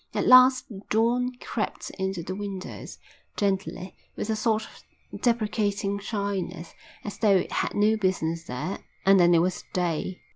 At last the dawn crept into the windows, gently, with a sort of deprecating shyness, as though it had no business there, and then it was day.